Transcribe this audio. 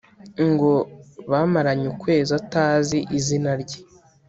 Ngo bamaranye ukwezi atazi izina rye